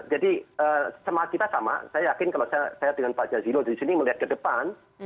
jadi sama kita sama saya yakin kalau saya dengan pak jajilo disini melihat ke depan